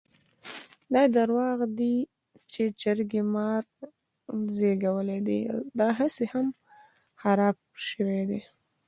دا درواغ دي چې چرګې مار زېږولی دی؛ داهسې خم خراپ شوی دی.